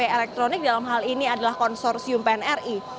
kt elektronik dalam hal ini adalah konsorsium pnri